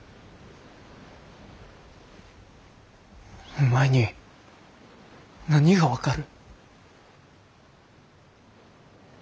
お前に何が分かる。